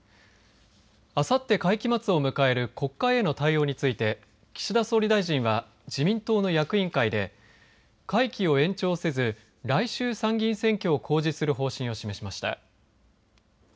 あさって、会期末を迎える国会への対応について岸田総理大臣は自民党の役員会で会期を延長せず来週、参議院選挙公示する方針を示しました。